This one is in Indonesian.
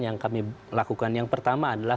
yang kami lakukan yang pertama adalah